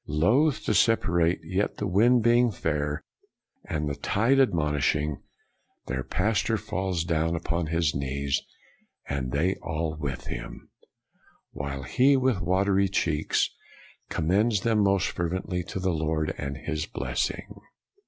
" Loath to separate, yet the wind being fair, and the tide BREWSTER 205 admonishing, their pastor falls down upon his knees, and they all with him, while he, with watery cheeks, commends them most fervently to the Lord and His blessing."